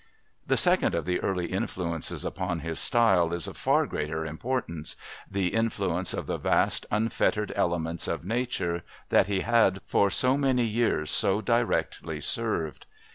The second of the early influences upon his style is of far greater importance the influence of the vast, unfettered elements of nature that he had, for so many years, so directly served.